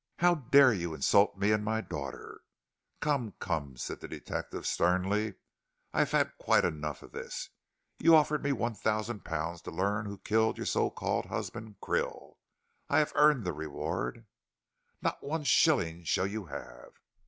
"How dare you insult me and my daughter?" "Come, come," said the detective, sternly, "I've had quite enough of this. You offered me one thousand pounds to learn who killed your so called husband, Krill. I have earned the reward " "Not one shilling shall you have."